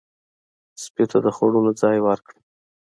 سپي ته د خوړلو ځای ورکړئ.